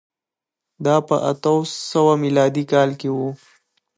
دا په اتو سوه میلادي کال کې و